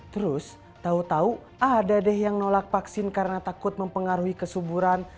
terus tahu tahu ada deh yang nolak vaksin karena takut mempengaruhi kesuburan